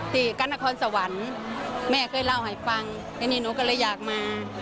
กันนครสวรรค์แม่เคยเล่าให้ฟังทีนี้หนูก็เลยอยากมา